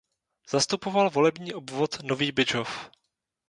Zastupoval volební obvod Nový Bydžov.